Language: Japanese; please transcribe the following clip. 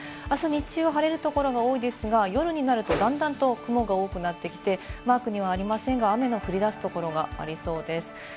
日中、晴れる所が多いですが、夜になると、だんだんと雲が多くなってきて、マークにはありませんが、雨が降り出す所がありそうです。